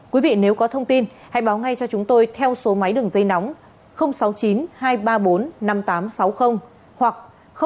quý vị nếu có thông tin hãy báo ngay cho chúng tôi theo số máy đường dây nóng sáu mươi chín hai trăm ba mươi bốn năm nghìn tám trăm sáu mươi hoặc sáu mươi chín hai trăm ba mươi hai một nghìn sáu trăm bảy